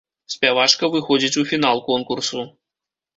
Спявачка выходзіць у фінал конкурсу.